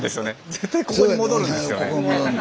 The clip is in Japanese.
絶対ここに戻るんですよね。